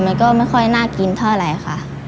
มันก็ไม่ค่อยน่ากินเท่าไหร่ค่ะ